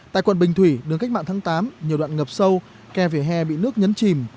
tại quận bình thủy đường cách mạng tháng tám nhiều đoạn ngập sâu kè vỉa hè bị nước nhấn chìm